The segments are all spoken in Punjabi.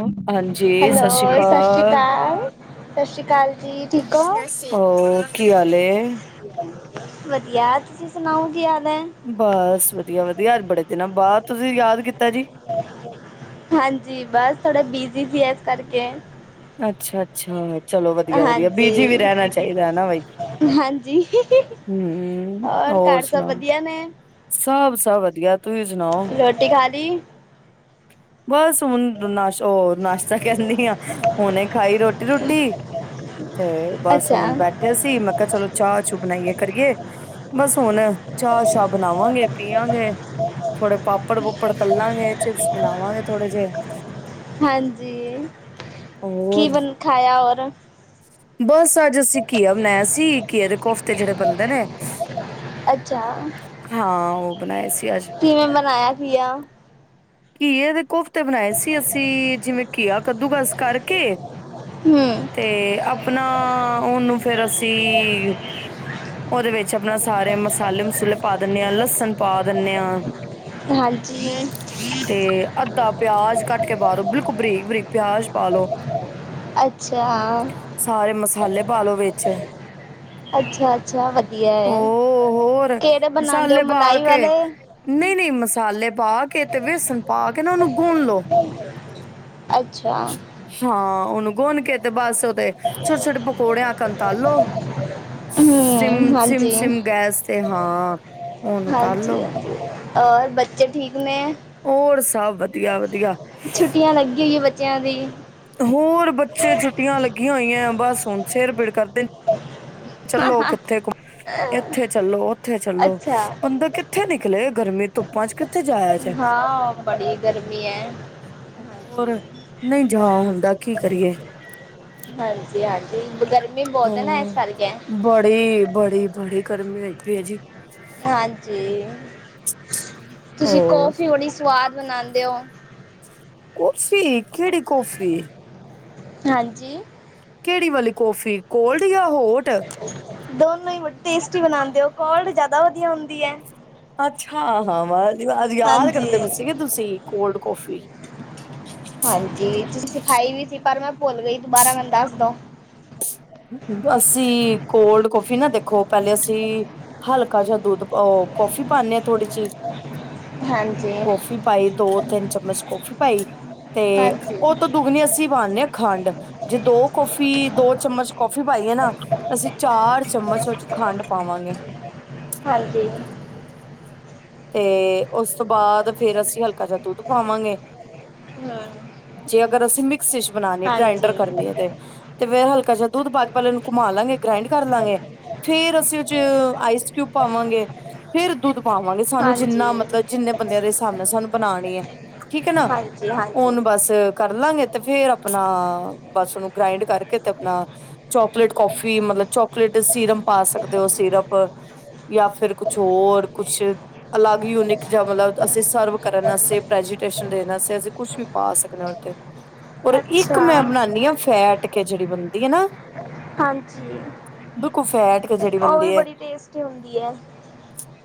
ਹਾਂਜੀ ਹੈਲੋ ਸਤਿ ਸ਼੍ਰੀ ਸਤਿ ਸ਼੍ਰੀ ਅਕਾਲ ਸਤਿ ਸ਼੍ਰੀ ਅਕਾਲ ਜੀ ਠੀਕ ਹੋ? ਉਹ ਕੀ ਹਾਲ ਹੈ ਵਧੀਆ ਤੁਸੀਂ ਸੁਣਾਓ ਕੀ ਹਾਲ ਹੈ ਬਸ ਵਧੀਆ ਵਧੀਆ ਅੱਜ ਬੜੇ ਦਿਨਾਂ ਬਾਅਦ ਤੁਸੀਂ ਯਾਦ ਕੀਤ ਹਾਂਜੀ ਬਸ ਥੋੜਾ ਬੀਜ਼ ਬਿਜ਼ੀ ਕਰਕੇ ਅੱਛਾ ਅੱਛਾ ਚਲੋ ਵਧੀਆ ਵਧੀਆ ਬਿਜੀ ਵੀ ਹਾਂਜੀ ਰਹਿਣਾ ਚਾਹੀਦਾ ਹੈ ਨਾ ਬਾਈ ਹਾਂਜੀ ਹਮ ਹੋਰ ਘਰ ਸਭ ਸੁਣਾਓ ਵਧੀਆ ਨੇ ਸਭ ਸਭ ਵਧੀਆ ਤੁਸੀਂ ਸੁਣਾਓ ਰੋਟੀ ਖਾ ਲਈ ਬਸ ਹੁਨ ਨਾਸ਼ ਉਹ ਨਾਸ਼ਤਾ ਕਹਿੰਦੀ ਆ ਹੁਣੇ ਖਾਈ ਰੋਟੀ ਰੂਟੀ ਟੀ ਤੇ ਬਸ ਅੱਛਾ ਹੁਣ ਬੈਠੇ ਸੀ ਮੈਂ ਕਿਹਾ ਚਲੋ ਚਾਹ ਚੂ ਬਣਾਈਏ ਕਰੀਏ ਬਸ ਹੁਣ ਚਾਹ ਸ਼ਾਹ ਬਣਾਵਾਂਗੇ ਪੀਵਾਂਗੇ ਥੋੜੇ ਪਾਪੜ ਪੁਪੜ ਤਲਾਂਗੇ ਚਿਪਸ ਬਣਾਵਾਂਗੇ ਥੋੜੇ ਜਿਹੇ ਹਾਂਜੀ ਕੀ ਹੋਰ ਬਣ ਖਾਇਆ ਹੋਰ ਬਸ ਅੱਜ ਅਸੀਂ ਘੀਆ ਬਣਾਇਆ ਸ ਠੀਕ ਇਹਦੇ ਕੋਫਤੇ ਜਿਹੜੇ ਬੰਦੇ ਨੇ ਅੱਛਾ ਹਾਂ ਉਹ ਬਣਾਏ ਸੀ ਅੱਜ ਕਿਵੇਂ ਬਣਾਇਆ ਘੀਆ ਕੀ ਇਹਦੇ ਕੋਫਤੇ ਤੇ ਬਣਾਏ ਸੀ ਅਸੀਂ ਜਿਵੇਂ ਕਿਹਾ ਕੱਦੂਕਸ ਕਰਕੇ ਹਮ ਤੇ ਆਪਣਾ ਉਹਨੂੰ ਫੇਿਰ ਅਸੀਂ ਉਹਦੇ ਵਿੱਚ ਆਪਣਾ ਸਾਰੇ ਮਸਾਲੇ ਮਸੂਲੇ ਪਾ ਦਿੰਦੇ ਹਾਂ ਲਸਣ ਪਾ ਦਿੰਦੇ ਹਾਂ ਹਾਂਜੀ ਤੇ ਅੱਧਾ ਪਿਆਜ ਕੱਟ ਕੇ ਪਾ ਦੋ ਬਿਲਕੁਲ ਬਰੀਕ ਬਰੀਕ ਪਿਆਜ ਪਾ ਲਓ ਅੱਛਾ। ਸਾਰੇ ਮਸਾਲੇ ਪਾਾਲੋ ਵਿੱਚ ਅੱਛਾ ਅੱਛਾ ਵਧੀਆ ਹੈ ਉਹ ਹੋਰ ਕਿਹੜੇ ਬਣਾਉਂਦੇ ਹੋ ਮਸਾਲੇ ਪਾ ਮਲਾਈ ਕੇ ਵਾਲੇ? ਨਹੀਂ ਨਹੀਂ ਮਸਾਲੇ ਪਾ ਕੇ ਤੇ ਵੇਸਣ ਪਾ ਕੇ ਕਹਿ ਉਹਨੂੰ ਪੂਣ ਲੋ ਅੱਛਾ ਹਾਂ ਉਹਨੂੰ ਗੁੰਨ ਕੇ ਤੇ ਬਸ ਤੇ ਛੋਟੇ ਛੋਟੇ ਪਕੌੜਿਆਂ ਕੰਣ ਤਾਲੋ ਸਿਮ ਹੂੰ ਸਿਮ ਹਾਂਜੀ ਸਿਮ ਗੈਸ ਤੇ ਹਾਂ ਉਹਨੂੰ ਹਾਂਜੀ ਤਾਲੋ ਹਾਂਜੀ ਔਰ ਬੱਚੇ ਠੀਕ ਨੇ ਹੋਰ ਸਭ ਵਧੀਆ ਵਧੀਆ ਛੁੱਟੀਆਂ ਲੱਗੀ ਹੋਈ ਹੈ ਬੱਚਿਆਂ ਦੀ ਹੋਰ ਬੱਚੇ ਛੁੱਟੀਆਂ ਲੱਗ ਹੋਈਆਂ ਬਸ ਹੁਣ ਸਿਰ ਪੀੜ ਕਰ ਹਾਂ ਚੱਲੋ ਕਿੱਥੇ ਘੁੰਮਣ ਇੱਥੇ ਚੱਲੋ ਉੱਥੇ ਚੱਲੋ ਅੱਛਾ ਬੰਦਾ ਕਿੱਥੇ ਨਿਕਲੇ ਗਰਮੀ ਧੁੱਪਾਂ ਚ ਕਿੱਥੇ ਕਿੱਥੇ ਜਾਇਆ ਚ ਹਾਂ ਬੜੀ ਗਰਮੀ ਹੈ ਹੋਰ ਨਹੀਂ ਜਾ ਹੁੰਦਾ ਕੀ ਕਰੀਏ [unintelligible] ਹੈ ਨਾ ਇਸ ਹੂੰ ਕਰਕੇ ਬੜੀ-ਬੜੀ-ਬੜੀ। ਗਰਮੀ ਹੋਈ ਪਈ ਹੈ ਜੀ। ਹਾਂਜੀ, ਤੁਸੀਂ ਹੋਰ ਕਾਫੀੱ ਬੜੀ ਸਵਾਦ ਬਣਾਉਂਦੇ ਹੋ। ਓਸੀ ਕਿਹੜੀ ਕੌਫੀ? ਹਾਂਜੀ। ਕਿਹੜੀ ਵਾਲੀ ਕੋੌਫੀ, ਕੋਲਡ ਜਾਂ ਹੋਠ। ਦੋਨੋ ਹੀ ਬੜੀ ਟੇਸਟੀ ਬਣਾਉਦੇ ਹੋ, ਕੋਲਡ ਜਿਆਦਾ ਵਧੀਆ ਹੁੰਦੀ ਹੈ। ਅੱਛਾ, ਹਾਂ ਵਸ ਅਜ ਯਾਦ ਹਾਂਜੀ ਕਰਦੇ ਪਏ ਸੀਗੇ ਤੁਸੀਂ ਕੋਲਡ ਕੋਫੀ। ਹਾਂਜੀ, ਤੁਸੀਂ ਸਿਖਾਈ ਵੀ ਸੀ, ਪਰ ਮੈਂ ਭੁੱਲ ਗਈ ਦੁਬਾਰਾ ਮੈਨੂੰ ਦੱਸ ਦੋ। ਦਸੀ ਕੋਲਡ ਕਫੀ ਨਾ ਦੇਖੋ, ਪਹਿਲੇ ਅਸੀਂ ਹਲਕਾ ਜਿਹਾ ਦੁੱਧ ਕੋੌਫੀ ਪਾਉਦੇ ਹ ਥੋੜ੍ਹੀ ਜਿਹੀ ਹਾਂਜੀ ਕੌਫੀ ਪਾਈ ਦੋ ਤਿੰਨ ਚਮਚ ਕੌਫੀ ਪਾਈ ਤੇ ਹਾਂਜੀ ਉਹ ਤੋਂ ਦੁੱਗਣੀ ਅਸੀਂ ਪਾਉਦੇ ਹਾਂ ਖੰਡ ਜੇ ਦੋ ਕੌਫੀ ਦੋ ਚਮਚ ਕੌਫੀ ਪਾਈਏ ਨਾ ਅਸੀਂ ਚਾਰ ਚਮਚ ਉਹ ਖੰਡ ਪਾਵਾਂਗੇ। ਹਾਂਜੀ ਤੇ ਉਸ ਤੋਂ ਬਾਅਦ ਫੇਰ, ਅਸੀਂ ਹਲਕਾ ਜ ਦੁੱਧ ਪਾਵਾਂਗੇ। ਹਾਂ। ਅਸੀ ਵੀ ਮਿਕਸੀ ਤੇ ਬਣਾਣੀ ਗ੍ਰਾਇੰਡਰ ਕਰਨੀ ਹੈ ਤੇ ਫੇਰ ਹਲਕਾ ਜਿਹਾ ਦੁੱਧ ਪਾ ਕੇ ਇਹਨੂੰ ਘੁਮਾ ਲਾਂਗੇ ਗ੍ਰਾਇੰਡ ਕਰ ਲਾਂਗੇ ਫੇਰ ਅਸੀਂ ਉਹ ਚ ਆਈਸਕਊਬ ਪਾਵਾਂਗੇ ਫੇਰ ਦੁੱਧ ਪਾਵਾਂ ਸਾਨੂੰ ਹਾਂਜੀ ਜਿੰਨਾ ਮਤਲਬ ਜਿੰਨੇ ਬੰਦਿਆਂ ਦੇ ਹਿਸਾਬ ਨਾਲ ਸਾਨੂੰ ਬਣਾਣੀ ਹੈ, ਠੀਕ ਹੈ ਨਾ ਹਾਂਜੀ ਹਾਂਜੀ ਉਹਨੂੰ ਬਸ ਕਰ ਲ ਹੰਗੇ ਤੇ ਫੇਰ ਆਪਣਾ ਬਸ ਨੂੰ ਗ੍ਰਾਇੰਡ ਕਰਕੇ ਕਿਤੇ ਆਪਣਾ ਚੋਕਲੇਟ ਕੋਫੀ ਮਤਲਬ ਚੋਕਲੇਟ ਸੀਰਪ ਪਾ ਸਕਦੇ ਹੋ ਸੀਰਪ ਜਾਂ ਫਿਰ ਕੁਛ ਹੋਰ ਕੁਛ ਆ ਗਈ ਹੁਣ ਇੱਕ ਜਾ, ਮਤਲਬ ਅਸੀਂ ਸਰਵ ਕਰਨ ਵਾਸਤੇ ਪ੍ਰੈਜੀਟੇਸ਼ਨ ਦੇਣਾ ਵਸਤੇ, ਅਸੀਂ ਕੁਛ ਵੀ ਪਾ ਸਕਨੇ ਉੱਥੇ ਔਰ ਇੱਕ ਅੱਛਾ ਮੈਂ ਬਣਾਉਦੀ ਹਾਂ ਫੈਟ ਕੇ ਜਿਹੜੀ ਬਣਦੀ ਹੈ ਨਾ। ਹਾਂਜੀ, ਬਿਲਕੁਲ ਫੈਟ ਕੇ ਜਿਹੜੀ ਉਹ ਵੀ ਬਣਦੀ ਹੈ ਬੜੀ ਟੇਸਟੀ ਹੁੰਦੀ ਹੈ।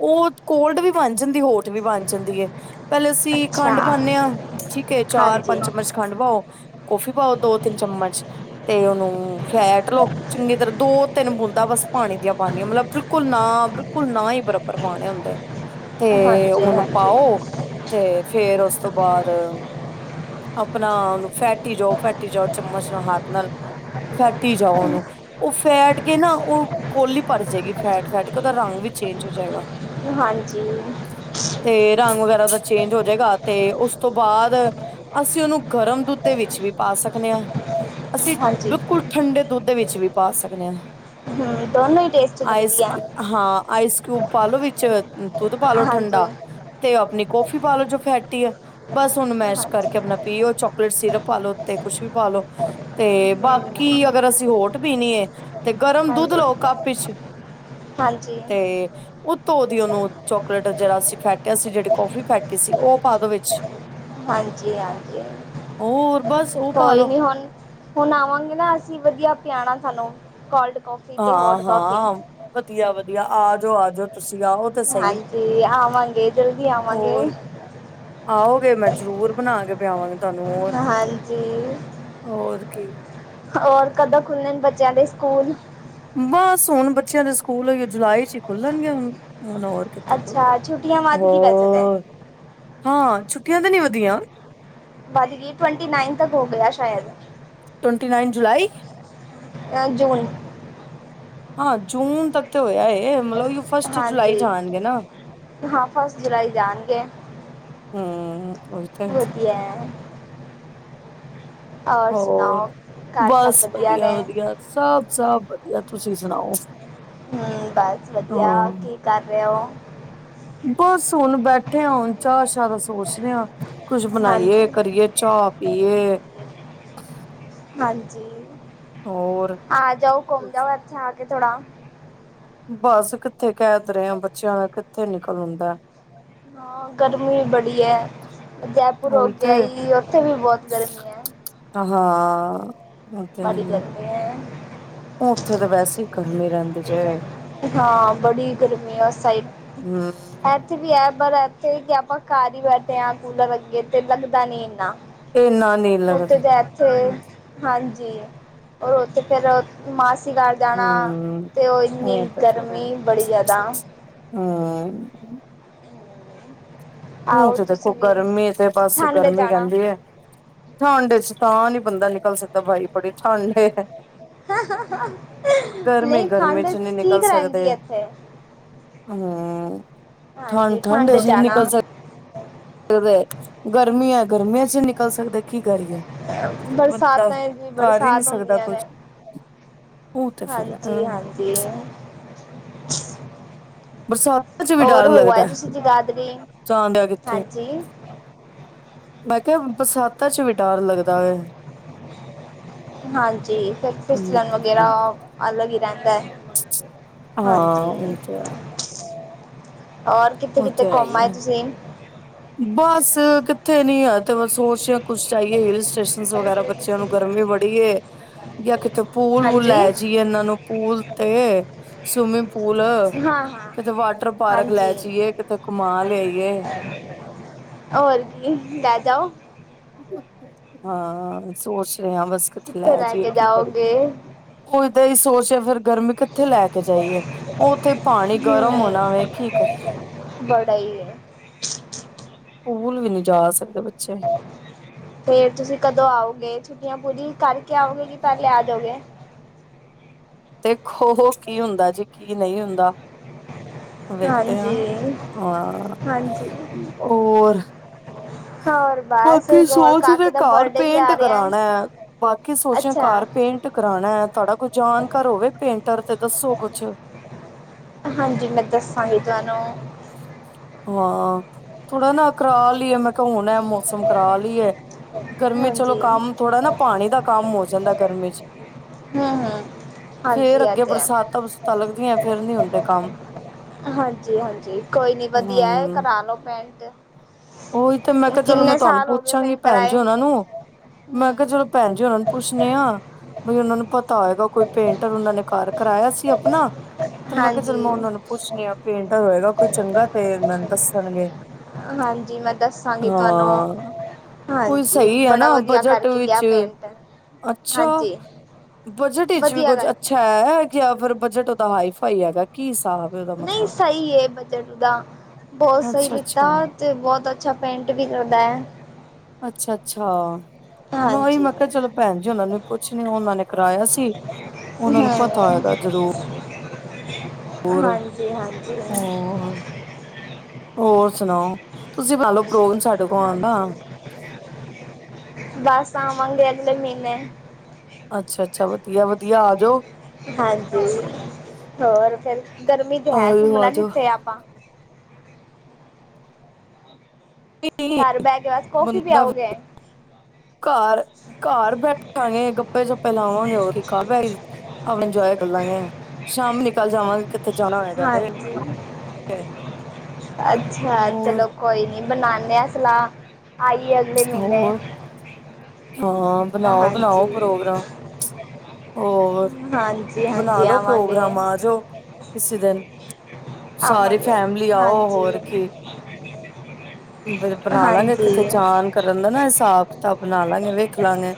ਉਹ ਕੋਲਡ ਵੀ ਬਣ ਜਾਂਦੀ ਹੋਟ ਵੀ ਬਣ ਜਾਂਦੀ ਹੈ ਪਹਿਲੇ ਅਸੀਂ ਅੱਛਾ ਖੰਡ ਪਾਦੇ ਹਾਂ ਠੀਕ ਹੈ ਚਾਰ ਹਾਂਜੀ ਪੰਜ ਚਮਚ ਖੰਡ ਪਾਓ ਕੌਫੀ ਪਾਓ ਦੋ ਤਿੰਨ ਚਮਚ ਤੇ ਉਹਨੂੰ ਫੈਟ ਲੋ ਚੰਗੀ ਤਰ੍ਹਾਂ। ਦੋ ਤਿੰਨ ਬੂੰਦਾਂ ਬਸ ਪਾਣੀ ਦੀਆਂ ਪਾਨੀ ਆਂ, ਮਤਲਬ ਬਿਲਕੁਲ ਨਾ ਬਿਲਕੁਲ ਨਾ ਈ ਬਰਾਬਰ ਪਾਣੇ ਹੁੰਦੇ। ਤੇ ਹਾਂਜੀ ਉਹਨੂੰ ਹਾਂਜੀ ਪਾਓ ਤੇ ਫੇਰ ਉਸ ਤੋਂ ਬਾਅਦ ਆਪਣਾ ਉਹਨੂੰ ਫੈਟੀ ਜਾਓ, ਫੈਟੀ ਜਾਓ ਚਮਚ ਨਾਲ, ਹੱਥ ਨਾਲ ਫੈਟੀ ਜਾਓ ਉਹਨੂੰ। ਉਹ ਫੈਟ ਕੇ ਨਾ, ਉਹ ਕੌਲੀ ਭਰਜੇਗੀ ਫੈਟ ਫੈਟ ਕੇ, ਉਹਦਾ ਰੰਗ ਵੀ ਚੇਂਜ ਹੋ ਜਾਏਗਾ। ਹਾਂਜੀ। ਤੇ ਰੰਗ ਵਗੈਰਾ ਦਾ ਚੇਂਜ ਹੋ ਜਾਏਗਾ ਤੇ ਉਸ ਤੋਂ ਬਾਅਦ ਅਸੀਂ ਉਹਨੂੰ ਗਰਮ ਦੁੱਧ ਦੇ ਵਿੱਚ ਵੀ ਪਾ ਸਕਨੇ ਆਂ, ਅਸੀਂ ਹਾਂਜੀ ਬਿਲਕੁਲ ਠੰਡੇ ਦੁੱਧ ਦੇ ਵਿੱਚ ਵੀ ਪਾ ਸਕਨੇ ਆਂ। ਹਮ ਦੋਨੋ ਈ ਟੇਸਟ ਲੱਗਦੀ ਐ। ਹਾਂ ਆਈਸ ਕਿਊਬ ਪਾਲੋ ਵਿੱਚ ਦੁੱਧ ਪਾਲੋ ਹਾਂਜੀ ਠੰਡਾ ਤੇ ਆਪਣੀ ਕੋਫੀ ਪਾਲੋ ਜੋ ਫੈਟੀ ਐ, ਬਸ ਉਹਨੂੰ ਮੈਂ ਹਾਂਜੀ ਹਾਂਜੀ ਕਰਕੇ ਆਪਣਾ ਪੀਓ, ਚੋਕਲੇਟ ਸਿਰਪ ਪਾਲੋ ਉੱਤੇ, ਕੁਛ ਵੀ ਪਾਲੋ ਤੇ ਬਾਕੀ ਅਗਰ ਅਸੀਂ ਹੋਟ ਪੀਣੀ ਏ ਤੇ ਗਰਮ ਦੁੱਧ ਹਾਂਜੀ ਲਓ ਕੱਪ ਇਚ ਤੇ ਉੱਤੋਂ ਦੀ ਉਹਨੂੰ ਚੋਕਲੇਟ ਜਿਹੜਾ ਅੱਸੀ ਫੈਟਿਆ ਸੀ, ਜਿਹੜੀ ਕੋਫੀ ਫੈਟੀ ਸੀ ਉਹ ਪਾਦੋ ਵਿੱਚ। ਹਾਂਜੀ-ਹਾਂਜੀ। ਹੋਰ ਬਸ ਉਹ ਕੋਈ ਪਾਲੋ ਨੀ ਹੁਣ, ਹੁਣ ਆਵਾਂਗੇ ਨਾ ਅਸੀਂ, ਵਧੀਆ ਪਿਆਣਾ ਸਾਨੂੰ। ਕੌਲਡ ਹਾਂ-ਹਾਂ, ਵਧੀਆ-ਵਧੀਆ। ਆ ਜੋ ਆਜੋ। ਤੁਸੀਂ ਆਓ ਤਾਂ ਸਈ। ਹਾਂਜੀ ਆਵਾਂਗੇ ਜਲਦੀ ਆਵਾਂਗੇ ਹੋਰ, ਆਓਗੇ ਮੈਂ ਜ਼ਰੂਰ ਬਣਾ ਕੇ ਪਿਆਵਾਂਗੀ ਤੁਹਾਨੂੰ, ਹੋਰ, ਹਾਂਜੀ ਹੋਰ ਕੀ। ਔਰ ਕਦੋਂ ਖੁੱਲਣ ਬੱਚਿਆਂ ਦੇ ਸਕੂਲ? ਬਸ ਹੁਣ ਬੱਚਿਆਂ ਦੇ ਸਕੂਲ ਓਇਓ ਜੁਲਾਈ ਚ ਈ ਖੁੱਲਣਗੇ ਹੁਣ। ਹੁਨ ਹੋਰ ਕਿੱਥੇ ਖੁਲਦੇ, ਅੱਛਾ ਛੁੱਟੀਆਂ ਵੱਧ ਗਈ ਵੈਸੇ ਤਾਂ ਹੋਰ ਹਾਂ। ਛੁੱਟੀਆਂ ਤੇ ਨੀ ਵਧੀਆਂ। ਵਦਗੀ, ਟਵੰਟੀ-ਨਾਈਨ ਤੱਕ ਹੋ ਗਿਆ ਸ਼ਾਇਦ। Twenty nine July? ਅ ਜੂਨ। ਹਾਂ ਜੂਨ ਤੱਕ ਤੇ ਹੋਇਆ ਏ। ਮਤਲਬ ਫਸਟ ਜੁਲਾਈ ਹਾਂਜੀ। ਜਾਣਗੇ ਨਾ ਹਾਂ, ਫਸਟ ਜੁਲਾਈ ਜਾਣਗੇ। ਹੂੰ, ਉਹੀ ਤੇ। ਵਧੀਆ ਹੈ ਔਰ ਹੋਰ ਸੁਣਾਓ ਘਰ ਸਭ ਬਸ ਵਧੀਆ ਨੇ ਵਧੀਆ, ਸਭ ਸਭ ਵਧੀਆ। ਤੁਸੀਂ ਸੁਣਾਓ ਹੁੰ ਬਸ ਵਧੀਆ ਹਾਂ ਕੀ ਕਰ ਰਹੇ ਓ ਬੱਸ ਹੁਣ ਬੈਠੇ ਹੁਣ ਚਾਹ ਸ਼ਾਹ ਦਾ ਸੋਚਰੇ ਹ ਕੁਛ ਬਣਾਈਏ ਹਾਂਜੀ ਕਰੀਏ ਚਾਹ ਪੀਏ। ਜੀ ਹੋਰ ਆ ਜਾਓ [unintelligible] ਕੁਛ। [unintelligible] ਬਸ ਕਿੱਥੇ ਕਹਿ ਤੇ ਰਹੇ ਆ ਬੱਚਿਆਂ ਨਲ ਕਿੱਥੇ ਨਿਕਲ ਹੁੰਦਾ। ਹਾਂ ਗਰਮੀ ਵੀ ਬੜੀ ਏ। ਜੈਪੁਰ ਹੋ ਉਹੀ ਕੇ ਤੇ ਆਈ ਉੱਥੇ ਵੀ ਬਹੁਤ ਗਰਮੀ ਏ। ਹਾਂ ਉਹ ਤੇ ਹੈ ਬੜੀ ਹੀ ਆ, ਗਰਮੀ ਏ, ਉੱਥੇ ਤਾਂ ਵੈਸੇ ਹੀ ਗਰਮੀ ਰਹਿੰਦੀ ਜੇ ਹਾਂ ਬੜੀ ਗਰਮੀ ਏ ਉਸ ਸਾਈਡ ਹਮ ਇਥੇ ਵੀ ਹੈ ਪਰ [unintelligible] ਆਪਾਂ ਘਰ ਹੀ ਬੈਠੇ ਹ ਕੂਲਰ ਅੱਗੇ ਤੇ ਲੱਗਦਾ ਨੀ ਇੰਨਾ। ਇੰਨਾ ਨੀ ਉੱਥੇ ਲੱਗਦਾ ਤਾਂ ਇੱਥੇ ਹਾਂਜੀ [unintelligible] ਉੱਥੇ ਫਿਰ ਮਾਸ ਗਰ ਜਾਣਾ ਹਮ ਤੇ ਉਹ ਇਨੀ ਤੇ ਫਿਰ ਗਰਮੀ ਬੜੀ ਜ਼ਿਆਦਾ ਹਮ ਹੁਣ ਆਓ ਤੇ ਦੇਖੋ ਤੁਸੀਂ ਵੀ ਗਰਮੀ ਤੇ ਬਸ ਠੰਡ ਗਰਮੀ ਜਾਣਾ ਰਹਿੰਦੀ ਹੈ ਠੰਡ ਚ ਤਾਂ ਨੀ ਬੰਦਾ ਨਿਕਲ ਸਕਦਾ ਬਾਈ ਬੜੀ ਠੰਡ ਏ ਹੰ ਹੰ ਹੰ ਨਹੀਂ ਗਰਮੀ ਠੰਡ ਚ ਨਹੀਂ ਠੀਕ ਨਿਕਲ ਰਹਿੰਦੀ ਸਕਦੇ ਆ ਇੱਥੇ ਹਮ ਹਾਂਜੀ ਠੰਡ ਚ ਆਣਾ ਦੇ ਗਰਮੀਆਂ ਗਰਮੀਆਂ ਚ ਨਿਕਲ ਸਕਦੇ ਕੀ ਕਰੀਏ ਬੰਦਾ ਬਰਸਾਤਾਂ ਚ ਕਰ ਹੀ ਨਹੀਂ ਬਰਸਾਤ ਸਕਦਾ ਹੁੰਦੀਆਂ ਨੇ ਕੁਛ ਉਹ ਤੇ ਫਿਰ ਅ ਹਾਂਜੀ ਹਾਂਜੀ [unintelligible] ਬਰਸਾਤ ਹੋਰ ਹੋ ਆਏ ਤੁਸੀਂ ਜਗਾਧਰੀ ਜਾਂਦਿਆ ਕਿੱਥੇ ਹਾਂਜੀ ਮੈਂ ਕਿਹਾ ਬਰਸਾਤਾ ਚ ਵੀ ਡਰ ਲੱਗਦਾ ਏ ਹਾਂਜੀ ਫਿਸਲਣ ਵਗੈਰਾ ਹਮ ਅਲੱਗ ਹੀ ਰਹਿੰਦਾ ਹਾਂ ਹਾਂਜੀ ਉਹ ਤੇ ਹੋਰ ਕਿੱਥੇ ਉਹ ਕਿੱਥੇ ਤੇ ਹੈ ਘੁੰਮ ਹੀ ਹੈ ਆਏ ਤੁਸੀਂ ਬਸ ਕਿੱਥੇ ਨੀ ਐ ਤੇ ਬਸ ਸੋਚ ਕੁਛ ਜਾਈਏ ਹਿਲ ਸਟੇਸ਼ਨ ਵਗੈਰਾ ਬੱਚਿਆਂ ਨੂੰ ਗਰਮੀ ਬੜੀ ਏ ਜਾਂ ਕਿਤੇ ਪੂਲ ਵੂਲ ਹਾਂਜੀ ਲੈ ਜਾਈਏ ਇਹਨਾਂ ਨੂੰ ਪੂਲ ਤੇ ਸੁਮਿਪ ਪੂਲ ਹਾਂ ਹਾਂ ਕਿਤੇ ਵਾਟਰ ਪਾਰਕ ਲੈ ਹਾਂਜੀ ਜਾਈਏ ਕਿਤੇ ਘੁਮਾ ਲਿਆਈਏ ਹੋਰ ਕੀ ਲੈ ਜਾਓ ਹਾਂ ਸੋਚ ਰਹੇ ਹਾਂ ਬਸ ਕਿੱਥੇ ਲੈ ਰਹਿ ਜਾਈਏ ਕੇ ਕੀ ਕਰੀਏ ਜਾਓਗੇ ਉਹ ਦੇ ਹੀ ਸੋਚ ਫਿਰ ਗਰਮੀ ਕਿੱਥੇ ਲੈ ਕੇ ਜਾਈਏ ਉਹ ਉੱਥੇ ਪਾਣੀ ਗਰਮ ਹੋਣਾ ਵੇ ਕੀ ਕਰੀਏ ਸਈ ਏ ਪੂਲ ਵੀ ਨਹੀਂ ਜਾ ਸਕਦੇ ਬਚੇ ਫੇਰ ਤੁਸੀਂ ਕਦੋਂ ਆਓਗੇ ਛੁੱਟੀਆਂ ਪੂਰੀ ਕਰਕੇ ਆਓਗੇ ਕੇ ਪਹਿਲੇ ਆ ਜਾਓਗੇ ਦੇਖੋ ਕੀ ਹੁੰਦਾ ਜੀ ਕੀ ਨਹੀਂ ਹੁੰਦਾ ਵੇਖਦੇ ਹਾਂ ਹਾਂਜੀ ਹਾਅ ਹਾਂਜੀ ਹੋਰ ਹੋਰ ਬਸ ਬਾਕੀ ਹੋਰ ਸੋਚ ਨੇ ਕਾਕੇ ਦਾ ਘਰ ਬਰਡੇ ਵੀ ਪੇਂਟ ਆ ਰਿਹਾ ਕਰਾਉਣਾ ਹੈ ਬਾਕੀ ਸੋਚ ਅੱਛਾ ਘਰ ਪੇਂਟ ਕਰਾਉਣਾ ਹੈ ਤੁਹਾਡਾ ਕੋਈ ਜਾਣਕਾਰ ਹੋਵੇ ਪੇਂਟ ਰ ਤੇ ਦੱਸੋ ਕੁਛ ਹਾਂਜੀ ਮੈਂ ਦੱਸਾਂਗੀ ਤੁਹਾਨੂੰ ਹਾਂ ਥੋੜਾ ਨਾ ਕਰਾ ਲਈਏ ਮੈਂ ਕਿਹਾ ਹੁਣ ਹੈ ਮੌਸਮ ਕਰਾ ਲਈਏ ਗਰਮੀ ਚਲੋ ਹਾਂਜੀ ਕੰਮ ਥੋੜਾ ਨਾ ਪਾਣੀ ਦਾ ਕੰਮ ਹੋ ਜਾਂਦਾ ਗਰਮੀ ਚ ਹੂੰ-ਹੂੰ, ਹਾਂਜੀ ਫੇਰ ਇਹ ਅੱਗੇ ਤੇ ਹੈ। ਬਰਸਾਤਾਂ ਬਰਸਤਾਂ ਲੱਗਦੀਆਂ ਫੇਰ ਨੀ ਹੁੰਦੇ ਕੰਮ ਹਾਂਜੀ ਜੀ ਹਾਂਜੀ ਕੋਈ ਨੀ ਵਧੀਆ ਹੈ ਹਮ ਕਰਾ ਲੋ ਪੈਂਟ ਉਹੀ ਤੇ ਮੈਂ ਕਿਹਾ ਚਲੋ ਮੈਂ ਕਿੰਨੇ ਤੁਹਾਨੂੰ ਸਾਲ ਹੋ ਗਏ ਪੁੱਛਾਂਗੀ ਪੇਂਟ ਭੈਣ ਜੀ ਕਰਾਏ? ਉਹਨਾਂ ਨੂੰ ਹੂੰ, ਮੈਂ ਕਿਹਾ ਚਲੋ ਭੈਣ ਜੀ ਉਹਨਾਂ ਨੂੰ ਪੁੱਛਣੇ ਆ ਵੀ ਉਹਨਾਂ ਨੂੰ ਪਤਾ ਹੈਗਾ ਕੋਈ ਪੇਂਟਰ ਉਹਨਾਂ ਨੇ ਘਰ ਕਰਾਇਆ ਸੀ ਆਪਣਾ ਤੇ ਮੈਂ ਕਿਹਾ ਚਲੋ ਹਾਂਜੀ। ਮੈਂ ਉਹ ਨੂੰ ਪੁੱਛਣੀ ਆ ਪੇਂਟ ਹੋਏਗਾ ਕੋਈ ਚੰਗਾ ਤੇ ਮੈਨੂੰ ਦੱਸਣਗੇ ਹਾਂਜੀ, ਮੈਂ ਦੱਸਾਂਗੀ ਤੁਹਾਨੂੰ ਹਾਂ ਕੋਈ ਹਾਂਜੀ, ਸਹੀ ਹੈ ਬੜਾ ਨਾ ਵਧੀਆ ਬਜਟ ਕਰਕੇ ਗਿਆ ਵਿੱਚ ਪੇਂਟ। ਅੱਛਾ ਹਾਂਜੀ, ਬਜਟ ਵਿੱਚ ਵੀ ਵਧੀਆ ਕੁੱਝ ਕਰਕੇ ਅੱਛਾ ਗਿਆ। ਹੈ ਕਿ ਫਿਰ ਬਜਟ ਉਹਦਾ ਹਾਈਫਾਈ ਹੈਗਾ ਕੀ ਹਿਸਾਬ ਹੈ ਉਹਦਾ ਨਹੀਂ ਮਤਲਬ ਸਹੀ ਬਜਟ ਦਾ ਬਹੁਤ ਸਹੀ ਅੱਛਾ ਲਿੱਤਾ ਅੱਛਾ ਤੇ ਬਹੁਤ ਅ ਅੱਛਾ ਪੈਂਟ ਵੀ ਕਰਦਾ ਹੈ ਅੱਛਾ ਅੱਛਾ ਮੈਂ ਉਹੀ ਮੈਂ ਕਿਹਾ ਚਲੋ ਭੈਣ ਜੀ ਉਹਨਾਂ ਨੂੰ ਪੁੱਛਣੀ ਉਹਨਾਂ ਨੇ ਕਰਾਇਆ ਸੀ ਉਹਨਾਂ ਹੂੰ, ਨੂੰ ਪਤਾ ਹੈਗਾ ਜ਼ਰੂਰ ਹਾਂਜੀ ਹਾਂਜੀ ਹੋਰ ਹੋਰ ਸੁਣਾਓ ਤੁਸੀਂ ਮੰਨ ਲਓ ਪ੍ਰੋਗਰਾਮ ਸਾਡੇ ਕੋਲ ਆਉਂਦਾ ਹਾਂਜੀ [inaudible] ਅੱਛਾ ਅੱਛਾ ਵਧੀਆ ਵਧੀਆ ਆ ਜਾਓ ਹਾਂਜੀ ਹੋਰ ਫੇਰ ਗਰਮੀ ਤੇ ਹੈ ਆਜੋ ਘੁੰਮਣਾ ਆਜੋ ਕਿੱਥੇ ਆਪਾਂ ਨਹੀਂ ਘਰ ਬਹਿ ਕੇ ਬਸ ਕੌਫੀ ਬੰਦਾ ਪਿਆਓਗੇ ਘਰ ਘਰ ਬੈਠਾਂਗੇ ਗੱਪੇ ਚੱਪੇ ਪਹਿਲਾਵਾਂਗੇ ਉਹ ਆਪਣਾ ਇੰਜੋਏ ਕਰ ਲਾਂਗੇ ਸ਼ਾਮ ਨਿਕਲ ਜਾਵਾਂਗੇ ਜਾਣਾ ਹੋਏਗਾ ਤੇ ਹਾਂਜੀ ਅੱਛਾ ਹੋਰ ਚਲੋ ਕੋਈ ਬਨਾਨੇ ਆ ਸਲਾਹ ਆਈਏ ਅਗਲੇ ਮਿਹਨੇ ਹੋਰ ਹਾਂ ਬਨਾਓ ਬਨਾਓ ਪ੍ਰੋਗਰਾਮ ਹੋਰ ਹਾਂਜੀ ਬਨਾ ਹਾਂਜੀ ਲੋੋ ਆਵਾਂਗੇ ਪ੍ਰੋਗਰਾਮ ਆਜਓ ਕਿਸੇ ਦਿਨ ਹ [inaudible] ਆਵਾ ਗੇ ਹਾਂਜੀ ਫ ਬਣਾ ਲਾਂਗੇ ਕਿਤੇੇ ਹਾਂਜੀ ਚਾਨ ਕਰਨ ਦਾ ਇਹ ਹਿਸਾਬ ਕਿਤਾਬ ਬਣਾ ਲਾਂਗੇ ਵੇਖ ਲਾਂਗੇ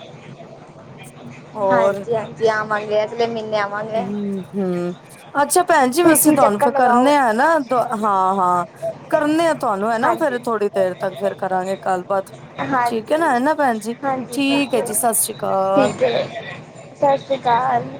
ਹਾਂਜੀ ਹਾਂਜੀ ਆ ਮੰਣ ਗਿਆ ਤੇ ਫਿਰ ਮੈਨੂੰ [inaudible] ਹਮ ਹਮ ਅੱਛਾ ਭੈਨ ਜੀ ਵੈਸੇ ਤੁਸੀਂ ਤੁਹਾਨੂੰ ਚੱਕਰ ਫਿਰ ਲਗਾਓ ਕਰਨੇ ਆ ਨਾ ਦ ਹਾਂ ਹਾਂ ਕਰਨੇ ਆਾਂ ਤੁਹਾਨੂੰ ਹੈਨਾ ਫਿਰ ਹਾਂਜੀ ਥੋੜ੍ਹੀ ਦੇਰ ਤੱਕ ਫਿਰ ਕਰਾਂਗੇ ਗੱਲਬਾਤ ਠੀਕ ਹੈ ਹਾਂਜੀ ਨਾ ਹੈ ਨਾ ਭੈਨ ਜੀ ਠੀਕ ਹੈ ਜੀ ਸਤਿ ਸ੍ਰੀ ਅਕਾਲ ਠੀਕ ਹੈ ਸਤਿ ਸ਼੍ਰੀ ਅਕਾਲ